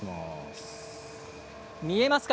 見えますか？